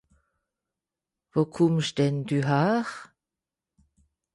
Wo kùmmsch denn dü häre?